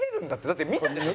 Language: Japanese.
だって見たでしょ？